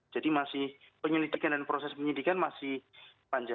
jadi masih penyelidikan dan proses penyidikan masih panjang